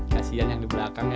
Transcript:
kasian yang di belakang ya